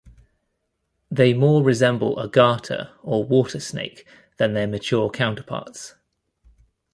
They more resemble a garter or water snake than their mature counterparts.